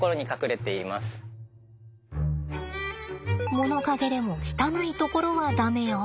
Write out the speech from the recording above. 物陰でも汚いところは駄目よ。